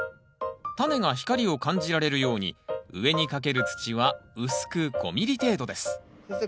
タネが光を感じられるように上にかける土は薄く５ｍｍ程度です先生